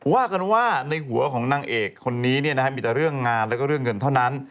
ว่ากันว่าในหัวของนางเอกคนนี้มีแต่เรื่องงานแล้วก็เรื่องเงินเท่านั้น